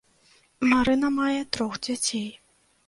Марына мае трох дзяцей.